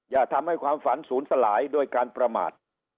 อย่าทำให้ความฝันศูนย์สลายโดยการประมาท